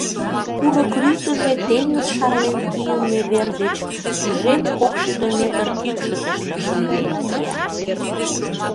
Курык рӱдыжӧ теҥыз шарлен кийыме вер деч тӱжем кокшӱдӧ метр кӱкшытыштӧ шуйнен кия.